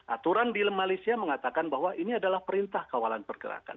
aturan di malaysia mengatakan bahwa ini adalah perintah kawalan pergerakan